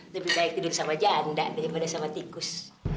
lebih baik tidur sama janda daripada sama tikus